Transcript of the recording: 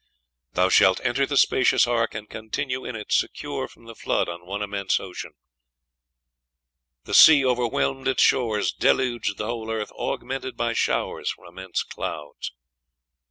"'Thou shalt enter the spacious ark, and continue in it secure from the Flood on one immense ocean.'... The sea overwhelmed its shores, deluged the whole earth, augmented by showers from immense clouds."